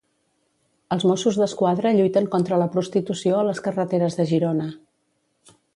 Els Mossos d'Esquadra lluiten contra la prostitució a les carreteres de Girona.